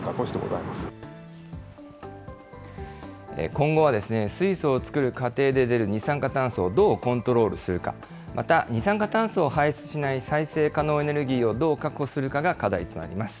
今後は、水素を作る過程で出る二酸化炭素をどうコントロールするか、また、二酸化炭素を排出しない再生可能エネルギーをどう確保するかが課題となります。